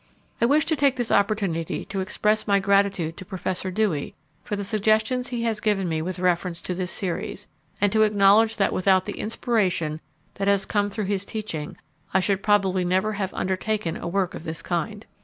I wish to take this opportunity to express my gratitude to Professor Dewey for the suggestions he has given me with reference to this series, and to acknowledge that without the inspiration that has come through his teaching I should probably never have undertaken a work of this kind.